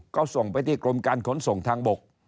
ก็ส่งไปที่กรมการขนส่งทางบก